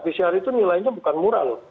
pcr itu nilainya bukan murah loh